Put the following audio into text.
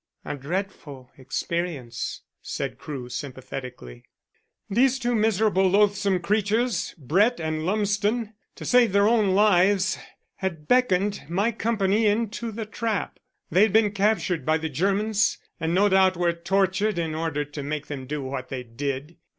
"A dreadful experience," said Crewe sympathetically. "These two miserable loathsome creatures, Brett and Lumsden, to save their own lives, had beckoned my company into the trap. They had been captured by the Germans, and no doubt were tortured in order to make them do what they did.